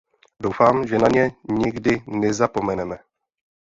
Doufám, že na ně nikdy nezapomeneme.